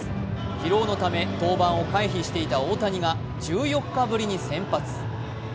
疲労のため登板を回避していた大谷が１４日ぶりに先発。